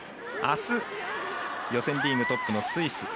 あす、予選リーグトップのスイス。